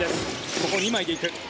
ここは２枚で行く。